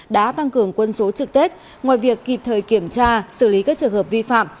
đã tăng cường quân số trực tết ngoài việc kịp thời kiểm tra xử lý các trường hợp vi phạm